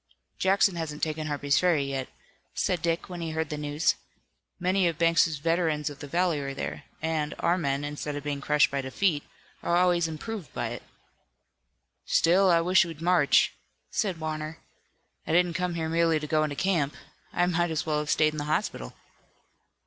"Jackson hasn't taken Harper's Ferry yet," said Dick, when he heard the news. "Many of Banks' veterans of the valley are there, and, our men instead of being crushed by defeat, are always improved by it." "Still, I wish we'd march," said Warner. "I didn't come here merely to go into camp. I might as well have stayed in the hospital."